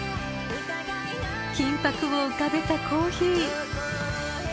［金箔を浮かべたコーヒー］